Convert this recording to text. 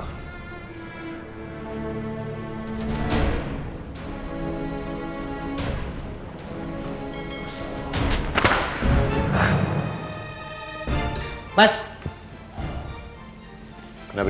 aku ingin mencari dia